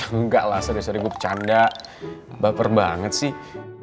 enggaklah serius serius bercanda baper banget sih